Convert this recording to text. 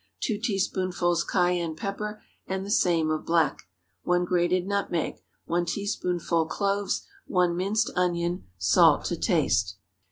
2 teaspoonfuls cayenne pepper, and the same of black. 1 grated nutmeg. 1 teaspoonful cloves. 1 minced onion. Salt to taste.